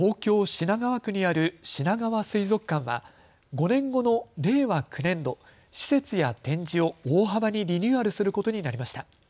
品川区にあるしながわ水族館は５年後の令和９年度、施設や展示を大幅にリニューアルすることになりました。